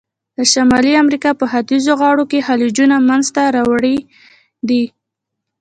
د شمالي امریکا په ختیځو غاړو کې خلیجونه منځته راوړي دي.